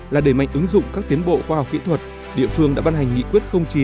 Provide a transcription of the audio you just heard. là đề mạnh ứng dụng các tiến bộ khoa học kỹ thuật địa phương đã ban hành nghị quyết chín